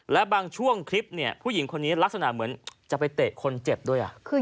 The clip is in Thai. และบางช่วงคลิปเนี่ยผู้หญิงคนนี้ลักษณะเหมือนจะไปเตะคนเจ็บด้วย